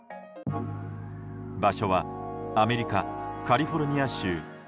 場所はアメリカ・カリフォルニア州。